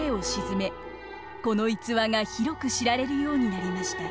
この逸話が広く知られるようになりました。